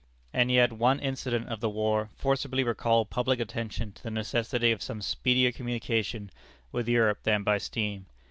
And yet one incident of the war forcibly recalled public attention to the necessity of some speedier communication with Europe than by steam.